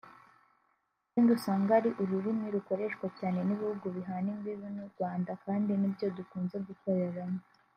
ikindi usanga ari ururimi rokoreshwa cyane n’ibihugu bihana imbibi n’u Rwanda kandi ni byo dukunze gukoreramo